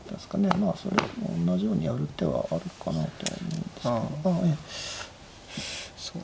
まあそれでも同じようにやる手はあるかなとは思うんですけど。